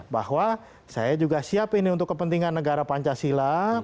bahwa saya juga siap ini untuk kepentingan negara pancasila